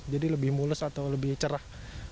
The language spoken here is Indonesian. jadi lebih mulus atau lebih cerah